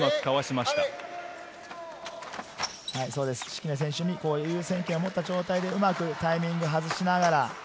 敷根選手、優先権を持った状態でうまくタイミングを外しながら。